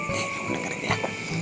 nih aku dengerin ya